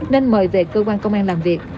nên mời về cơ quan công an làm việc